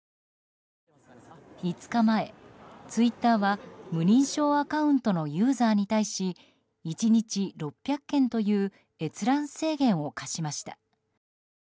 ５日前、ツイッターは無認証アカウントのユーザーに対し１日６００件という閲覧制限を課しました。